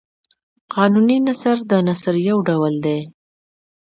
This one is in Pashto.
قانوني نثر د نثر یو ډول دﺉ.